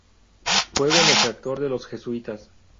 Fue benefactor de los jesuitas.